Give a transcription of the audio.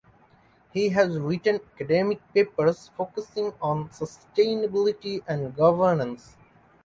He has written academic papers focusing on sustainability and governance.